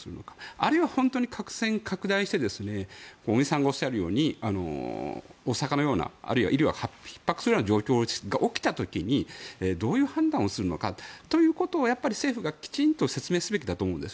あるいは本当に感染拡大して尾身さんがおっしゃるように大阪のようなあるいは医療がひっ迫するような状況が起きた時にどういう判断をするのかということを政府がきちんと説明すべきだと思うんです。